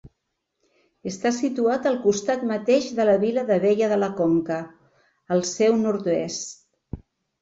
Està situat al costat mateix de la vila d'Abella de la Conca, al seu nord-oest.